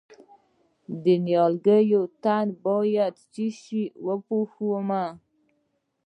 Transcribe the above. د نیالګي تنه باید په څه شي وپوښم؟